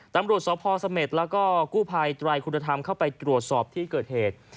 ตำรวจสพเสม็ดแล้วก็กู้ภัยไตรคุณธรรมเข้าไปตรวจสอบที่เกิดเหตุ